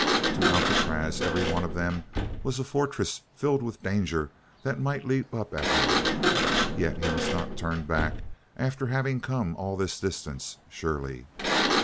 To Alcatraz every one of them was a fortress filled with danger that might leap up at him. Yet he must not turn back after having come all this distance, surely.